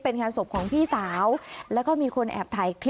เป็นงานศพของพี่สาวแล้วก็มีคนแอบถ่ายคลิป